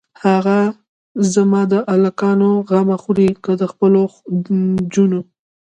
هه زما د الکانو غمه خورې که د خپلو جونو.